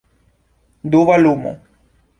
Duba lumo.